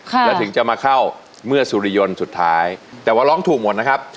แล้วถึงจะมาเข้าเมื่อสุริยนต์สุดท้ายแต่ว่าร้องถูกหมดนะครับ